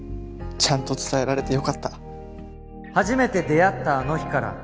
ちゃんと伝えられてよかった初めて出会ったあの日から